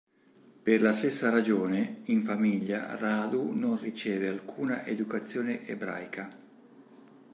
Per la stessa ragione, in famiglia Radu non riceve alcuna educazione ebraica.